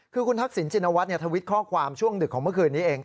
คือคุณทักษิณชินวัฒน์ทวิตข้อความช่วงดึกของเมื่อคืนนี้เอง